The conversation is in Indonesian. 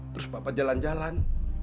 terus bapak jalan jalan